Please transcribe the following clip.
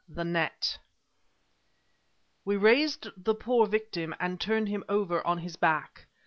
THE NET We raised the poor victim and turned him over on his back.